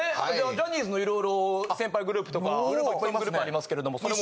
ジャニーズのいろいろ先輩グループとかグループありますけどもそれも。